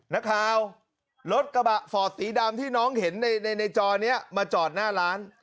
นักข่าวรถกระบะฟอร์ดสีดำที่น้องเห็นในในจอนี้มาจอดหน้าร้าน